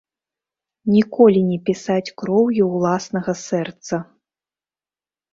Ніколі не пісаць кроўю ўласнага сэрца.